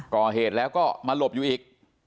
ก่อเหตุแล้วก็มาหลบอยู่อีก